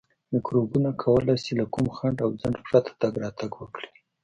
میکروبونه کولای شي له کوم خنډ او ځنډ پرته تګ راتګ وکړي.